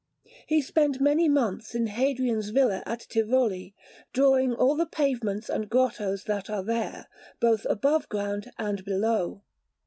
He spent many months in Hadrian's Villa at Tivoli, drawing all the pavements and grottoes that are there, both above ground and below.